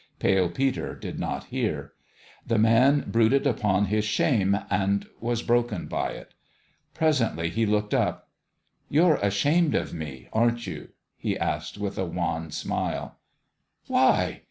Pale Peter did not hear. The man brooded upon his shame, and was broken by it. Presently he looked up. " You're ashamed of me, aren't you ?" he asked, with a wan smile. "Why?"